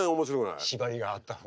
縛りがあった方が。